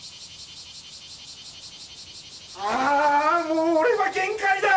もう俺は限界だ！